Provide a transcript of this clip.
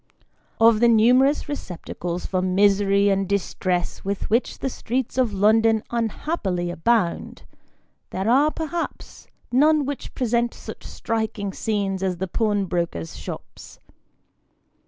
OP the numerous receptacles for misery and distress with which the streets of London unhappily abound, there are, perhaps, none which present such striking scenes as the pawnbrokers' shops.